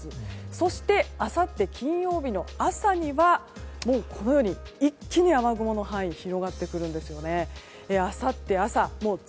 そして、あさって金曜日の朝にはもうこのように一気に雨雲の範囲が広がってくるんですね。